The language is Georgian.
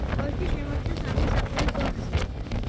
კოშკი შემორჩა სამი სართულის დონეზე.